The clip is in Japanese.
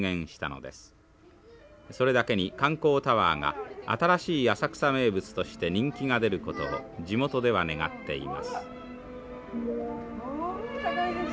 それだけに観光タワーが新しい浅草名物として人気が出ることを地元では願っています。